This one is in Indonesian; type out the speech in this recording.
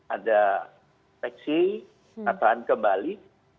ada teksi kataan kembali